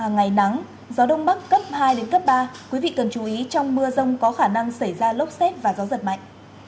ngày nắng gió đông bắc cấp hai cấp ba quý vị cần chú ý trong mưa rông có khả năng xảy ra lốc xét và gió giật mạnh